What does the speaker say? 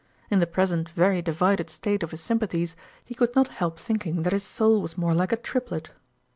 In the present very divided state of his sympathies, he could not help thinking that his Soul was more like a Triplet.